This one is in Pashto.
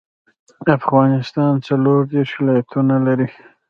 افغانستان څلور ديرش ولايتونه لري.